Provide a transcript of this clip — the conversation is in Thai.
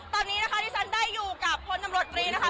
ตอนนี้นะคะที่ฉันได้อยู่กับพลตำรวจตรีนะคะ